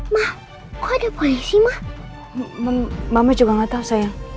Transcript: mah kok ada polisi mah mama juga nggak tahu sayang